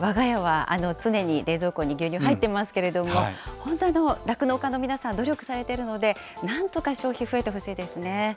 わが家は常に冷蔵庫に牛乳入ってますけれども、本当、酪農家の皆さん、努力されてるので、なんとか消費、増えてほしいですね。